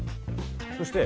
そして。